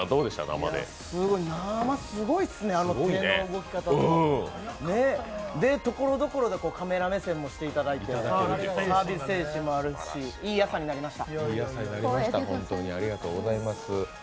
生すごいっすね、あの手の動き方。ところどころでカメラ目線もしていただいて、サービス精神もありますしいい朝になりました。